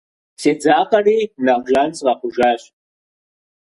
Седзакъэри, нэхъ жан сыкъэхъужащ.